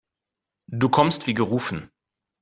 Du kommst wie gerufen.